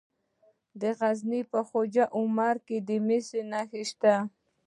د غزني په خواجه عمري کې د مسو نښې شته.